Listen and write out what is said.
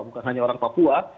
bukan hanya orang papua